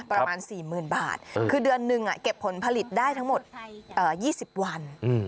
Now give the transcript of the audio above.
ประมาณ๔๐๐๐บาทคือเดือนหนึ่งเก็บผลผลิตได้ทั้งหมด๒๐วัน